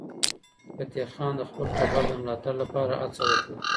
فتح خان د خپل ټبر د ملاتړ لپاره هڅه وکړه.